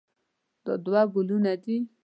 دا دوه ګلونه دي.